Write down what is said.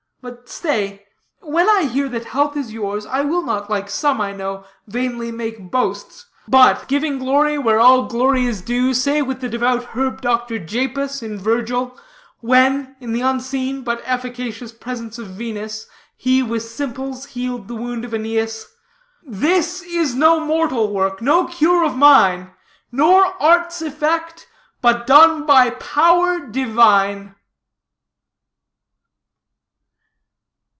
But stay when I hear that health is yours, I will not, like some I know, vainly make boasts; but, giving glory where all glory is due, say, with the devout herb doctor, Japus in Virgil, when, in the unseen but efficacious presence of Venus, he with simples healed the wound of Æneas: 'This is no mortal work, no cure of mine, Nor art's effect, but done by power divine.'"